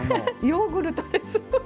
ヨーグルト。